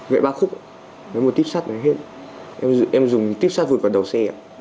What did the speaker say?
với một tiếp sắt em dùng tiếp sắt vượt vào đầu xe